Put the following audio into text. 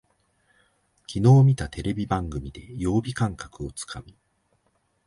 きのう見たテレビ番組で曜日感覚をつかむ